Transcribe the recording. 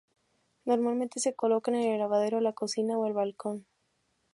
Normalmente se colocan en el lavadero, la cocina o el balcón.